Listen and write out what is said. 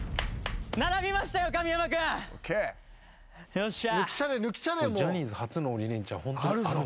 よっしゃ！